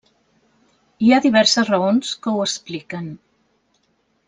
Hi ha diverses raons que ho expliquen.